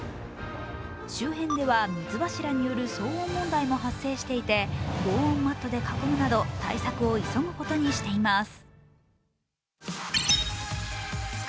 周辺では水柱による騒音問題も発生していて防音マットで囲むなど対策を急ぐことにしています。